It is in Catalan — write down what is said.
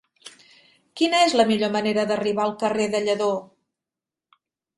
Quina és la millor manera d'arribar al carrer de Lledó?